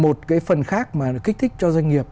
một cái phần khác mà kích thích cho doanh nghiệp